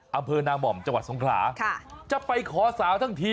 อำเภอนาม่อมจังหวัดสงขลาจะไปขอสาวทั้งที